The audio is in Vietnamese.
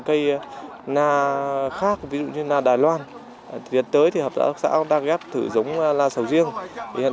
cây na khác ví dụ như là đài loan tiến tới thì hợp tác xã đang ghép thử giống la sầu riêng hiện